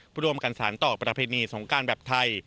รวมกันสารต่อประเพณีสงการแบบไทย